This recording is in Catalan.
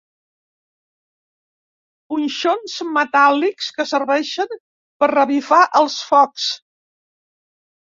Punxons metàl·lics que serveixen per revifar els focs.